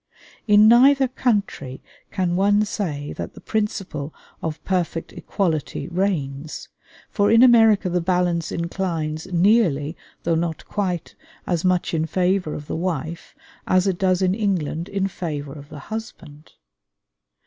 In neither country can one say that the principle of perfect equality reigns; for in America the balance inclines nearly, though not quite, as much in favor of the wife as it does in England in favor of the husband.